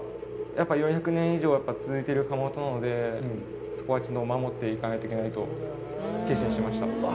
やっぱり４００年以上続いてる窯元なので、そこはちょっと守っていかないといけないと決心しました。